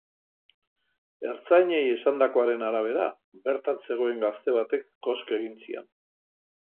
Ertzainei esandakoaren arabera, bertan zegoen gazte batek kosk egin zion.